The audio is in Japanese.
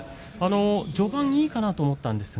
序盤いいかなと思ったんですが。